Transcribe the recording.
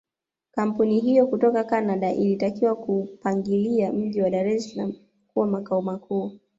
Kampuni hiyo kutoka Canada ilitakiwa kuupangilia mji wa Dar es salaam kuwa makao makuu